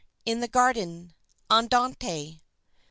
IN THE GARDEN (Andante) 5.